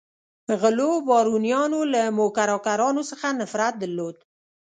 غلو بارونیانو له موکراکرانو څخه نفرت درلود.